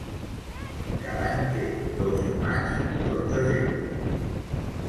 Cada any té dos maig i dos desembres.